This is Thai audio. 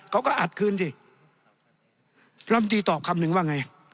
เขาก็อัดคืนสิลำตีตอบคำนึงว่าไง